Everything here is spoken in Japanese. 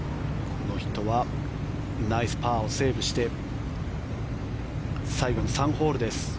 この人はナイスパーをセーブして最後の３ホールです